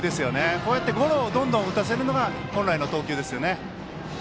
こうやってゴロをどんどん打たせるのが本来の投球ですね。